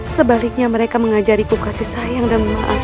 sebaliknya mereka mengajariku kasih sayang dan manfaat